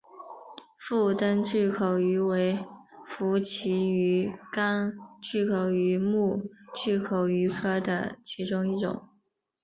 腹灯巨口鱼为辐鳍鱼纲巨口鱼目巨口鱼科的其中一种。